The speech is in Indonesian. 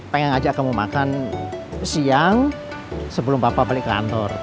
pengen ajak kamu makan siang sebelum bapak balik ke kantor